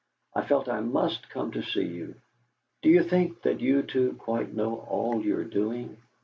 I felt I must come to see you. Do you think that you two quite know all you're doing?